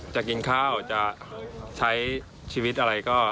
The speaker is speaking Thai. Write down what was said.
จะกินข้าวจะใช้ชีวิตอะไรก็